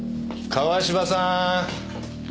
川芝さん！